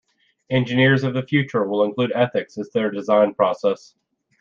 Engineers of the future will include Ethics as their design process.